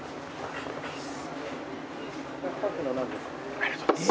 ありがとうございます。